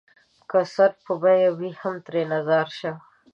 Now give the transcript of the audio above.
که سر په بيه وي هم ترېنه ځار شــــــــــــــــــه